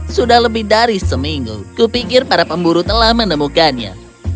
sudah lebih dari seminggu kupikir para pemburu telah menemukannya